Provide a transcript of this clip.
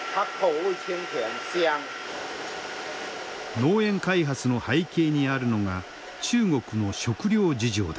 農園開発の背景にあるのが中国の食糧事情だ。